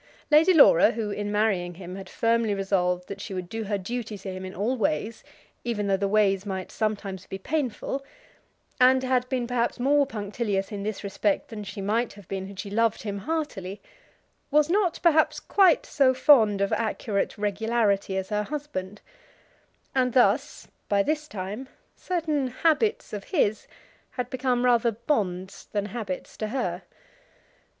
Lady Laura, who in marrying him had firmly resolved that she would do her duty to him in all ways, even though the ways might sometimes be painful, and had been perhaps more punctilious in this respect than she might have been had she loved him heartily, was not perhaps quite so fond of accurate regularity as her husband; and thus, by this time, certain habits of his had become rather bonds than habits to her.